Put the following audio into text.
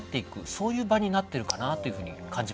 そういう場になってるかなというふうに感じました。